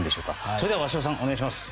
それでは鷲尾さんお願いします。